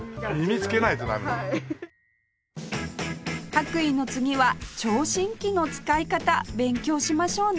白衣の次は聴診器の使い方勉強しましょうね